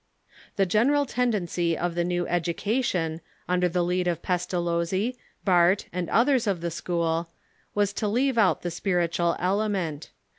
The general tendency of the new education, under the lead of Pestalozzi, Bahrdt, and others of the school, was to leave out the spiritual element.